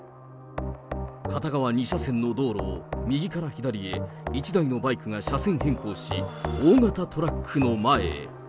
片側２車線の道路を、右から左へ１台のバイクが車線変更し、大型トラックの前へ。